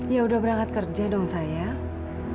ya udah berangkat kerja dong saya